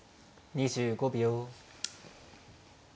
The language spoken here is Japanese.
２５秒。